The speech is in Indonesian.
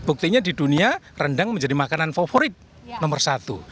buktinya di dunia rendang menjadi makanan favorit nomor satu